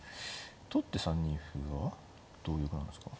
取って３二歩はどういう感じですか。